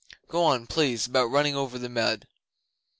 Go on, please, about running over the mud.